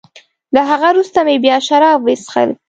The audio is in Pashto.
له هغه وروسته مې بیا شراب وڅېښل.